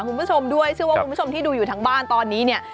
คุณผู้ชมด้วยเชื่อว่าคุณผู้ชมที่ดูอยู่ทางบ้านตอนนี้เนี่ย